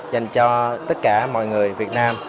dành cho tất cả mọi người việt nam